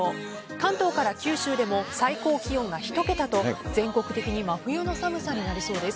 関東から九州でも最高気温が１桁と全国的に真冬の寒さになりそうです。